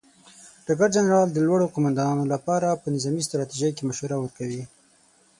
ډګر جنرال د لوړو قوماندانانو لپاره په نظامي ستراتیژۍ کې مشوره ورکوي.